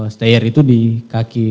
stayer itu di kaki